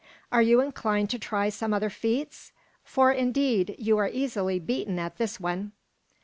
Are you inclined to try some other feats? For indeed, you are easily beaten at this one."